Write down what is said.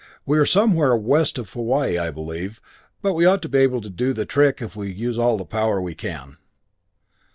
We are somewhere west of Hawaii, I believe, but we ought to be able to do the trick if we use all the power we can."